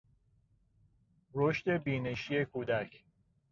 رشد بینشی کودک